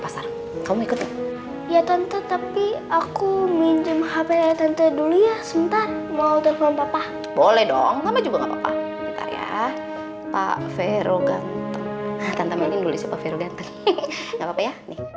sampai jumpa di video selanjutnya